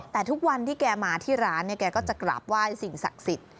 แต่ทุกวันที่แกมาที่ร้านเนี่ยแกก็จะกราบไหว้สิ่งศักดิ์สิทธิ์